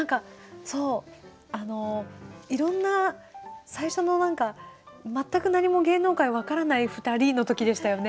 いろんな最初の何か全く何も芸能界分からない２人の時でしたよね？